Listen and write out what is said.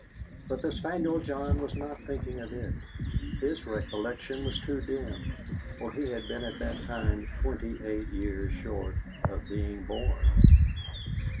But the spaniel John was not thinking of it; his recollection was too dim, for he had been at that time twenty eight years short of being born.